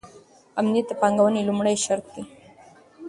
امنیت د پانګونې لومړنی شرط دی.